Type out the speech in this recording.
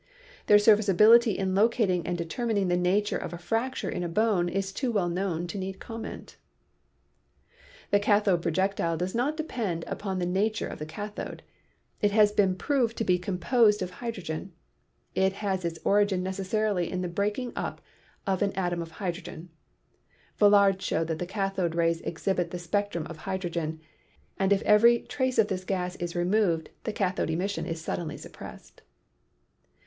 Their serviceability in locating and deter mining the nature of a fracture in a bone is too well known to need comment. i8 PHYSICS The cathode projectile does not depend upon the nature of the cathode. It has been proved to be composed of hydrogen. It has its origin necessarily in the breaking up of an atom of hydrogen. (Villard showed that the cathode rays exhibit the spectrum of hydrogen, and if every trace of this gas is removed the cathode emission is suddenly suppressed.)